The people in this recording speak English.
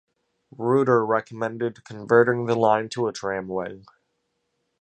Ruter recommended converting the line to a tramway.